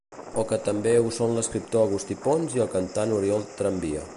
O que també ho són l'escriptor Agustí Pons i el cantant Oriol Tramvia.